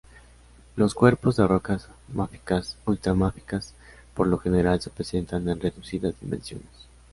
Los cuerpos de rocas máficas-ultramáficas por lo general se presentan en reducidas dimensiones.